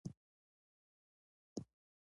موږ چې کله د رنتنبور نوم اورو